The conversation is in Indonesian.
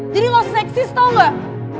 jadi gak usah seksis tau gak